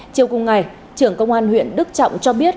chiều cùng ngày trưởng công an huyện đức trọng cho biết